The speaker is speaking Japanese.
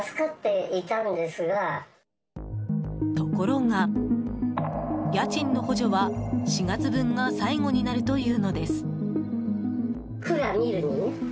ところが、家賃の補助は４月分が最後になるというのです。